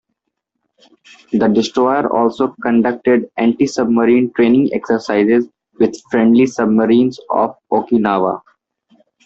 The destroyer also conducted antisubmarine training exercises with friendly submarines off Okinawa.